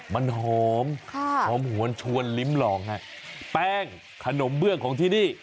มันหอมหอมหวนชวนลิ้มลองฮะแป้งขนมเบื้องของที่นี่